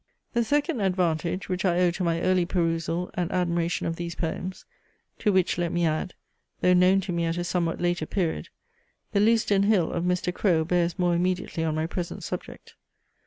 The second advantage, which I owe to my early perusal, and admiration of these poems, (to which let me add,) though known to me at a somewhat later period, the Lewesdon Hill of Mr. Crowe bears more immediately on my present subject.